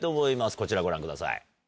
こちらご覧ください。